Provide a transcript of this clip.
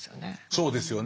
そうですよね。